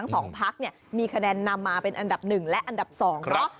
สองพักเนี่ยมีคะแนนนำมาเป็นอันดับหนึ่งและอันดับ๒เนาะ